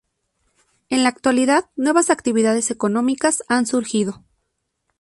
En la actualidad, nuevas actividades económicas han surgido.